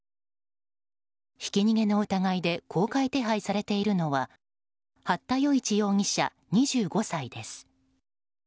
ひき逃げの疑いで公開手配されているのは八田与一容疑者、２５歳です。